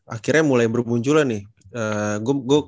akhirnya mulai berpunculan nih